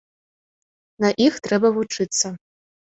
На іх трэба вучыцца.